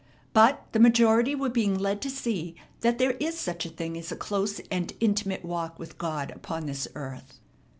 But the majority were being led to see that there is such a thing as a close and intimate walk with God upon this earth.